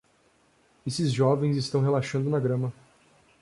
Esses jovens estão relaxando na grama.